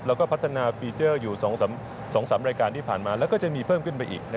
แล้วก็พัฒนาฟีเจอร์อยู่๒๓รายการที่ผ่านมาแล้วก็จะมีเพิ่มขึ้นไปอีก